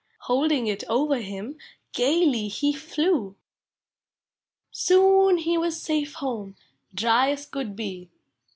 Holding it over him, (layly he flew. Soon he was safe home, 1 >rv us could be.